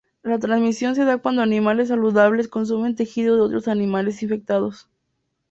La transmisión se da cuando animales saludables consumen tejido de otros animales infectados.